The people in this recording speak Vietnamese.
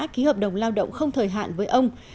ký hợp đồng lao động không thời hạn với ông